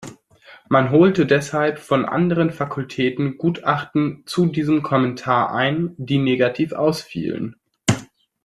Man holte deshalb von anderen Fakultäten Gutachten zu diesem Kommentar ein, die negativ ausfielen.